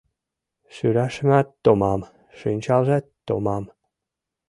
Шӱрашемат томам, шинчалжат томам -